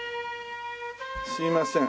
すいません。